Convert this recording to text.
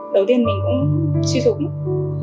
đầu tiên mình cũng suy sụp